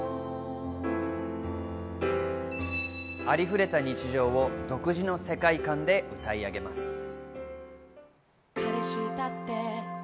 ありふれた日常を独自の世界観で歌い上げます。